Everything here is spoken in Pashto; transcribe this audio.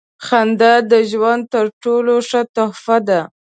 • خندا د ژوند تر ټولو ښه تحفه ده.